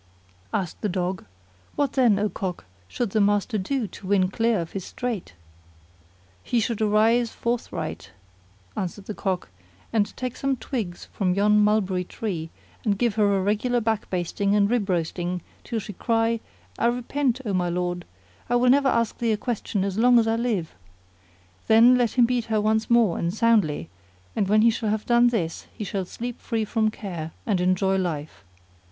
Asked the Dog, "What then, O Cock, should the master do to win clear of his strait?" "He should arise forthright," answered the Cock, "and take some twigs from yon mulberry tree and give her a regular back basting and rib roasting till she cry:—I repent, O my lord! I will never ask thee a question as long as I live! Then let him beat her once more and soundly, and when he shall have done this he shall sleep free from care and enjoy life.